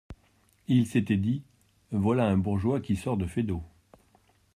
Il s’était dit : voilà un bourgeois qui sort de Feydeau…